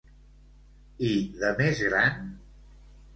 I de més gran?